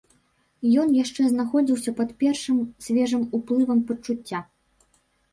Ён яшчэ знаходзіўся пад першым свежым уплывам пачуцця.